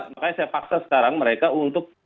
makanya saya paksa sekarang mereka untuk